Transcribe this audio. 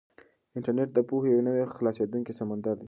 انټرنيټ د پوهې یو نه خلاصېدونکی سمندر دی.